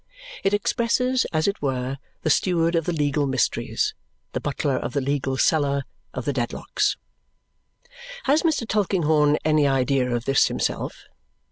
It expresses, as it were, the steward of the legal mysteries, the butler of the legal cellar, of the Dedlocks. Has Mr. Tulkinghorn any idea of this himself?